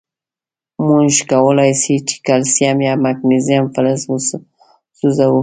مونږ کولای شو چې کلسیم یا مګنیزیم فلز وسوځوو.